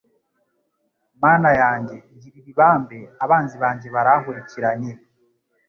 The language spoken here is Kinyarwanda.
Mana yanjye ngirira ibambe Abanzi banjye barankurikiranye